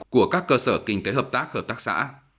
của các cơ sở kinh tế hợp tác hợp tác xã